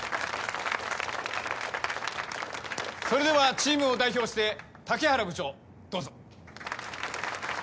・それではチームを代表して竹原部長どうぞ。